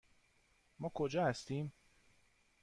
ما کجا هستیم؟